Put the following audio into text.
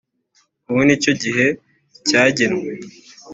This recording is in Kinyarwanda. Ubu ni cyo gihe cyagenwe